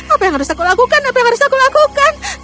apa yang harus aku lakukan apa yang harus aku lakukan